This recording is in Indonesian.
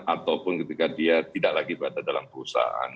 ataupun ketika dia tidak lagi berada dalam perusahaan